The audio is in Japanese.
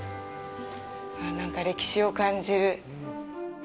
なんか、歴史を感じる。